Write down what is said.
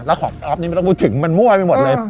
แล้วของอ๊อฟนี่ถึงมันมั่วไปหมดเลย